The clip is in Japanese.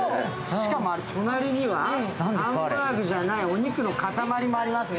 しかもあれ、隣にはハンバーグじゃないお肉の塊もありますね。